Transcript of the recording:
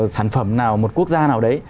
sản phẩm nào một quốc gia nào đấy